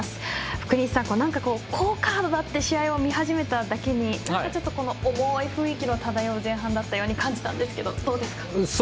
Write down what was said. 福西さん、好カードだった試合を見始めただけに重い雰囲気の漂う前半だったように感じたんですけど、どうですか？